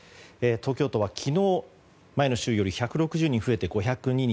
東京都は昨日、前の週より１６０人増えて、５０２人。